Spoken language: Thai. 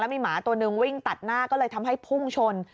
มีหมาตัวนึงวิ่งตัดหน้าก็เลยทำให้พุ่งชน